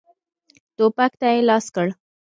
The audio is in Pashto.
ټوپک ته یې لاس کړ.